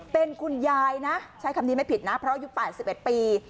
เป็นคุณยายนะใช้คำนี้ไม่ผิดนะเพราะอายุ๘๑ปี